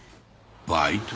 バイト？